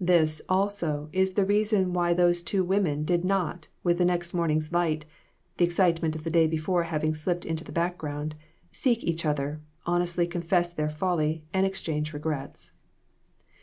This, also, is the reason why those two women did not with the next morning's light the excite ments of the day before having slipped into the background seek each other, honestly confess their folly, and exchange regrets.